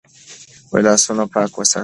لاسونه پاک وساته.